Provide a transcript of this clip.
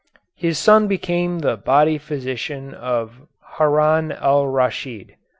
His son became the body physician of Harun al Raschid.